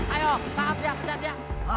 ayo tangkap dia kejar dia